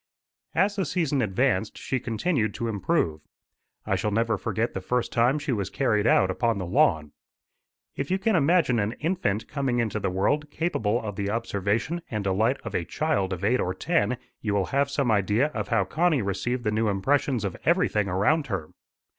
As the season advanced, she continued to improve. I shall never forget the first time she was carried out upon the lawn. If you can imagine an infant coming into the world capable of the observation and delight of a child of eight or ten, you will have some idea of how Connie received the new impressions of everything around her.